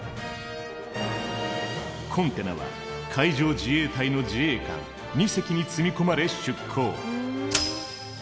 コンテナは海上自衛隊の自衛艦２隻に積み込まれ出港。